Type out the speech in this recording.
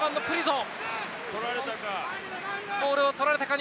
取られたか？